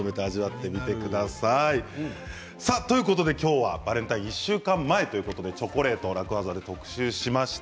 ということで、今日はバレンタイン１週間前ということでチョコレート楽ワザで特集しました。